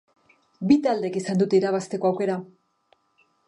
Bi taldeek izan dute irabazteko aukera.